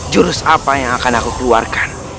jurus apa yang akan aku keluarkan